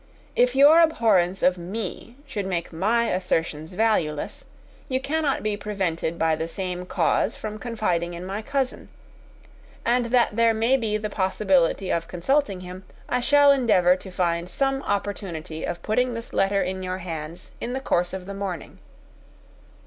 If your abhorrence of me should make my assertions valueless, you cannot be prevented by the same cause from confiding in my cousin; and that there may be the possibility of consulting him, I shall endeavour to find some opportunity of putting this letter in your hands in the course of the morning.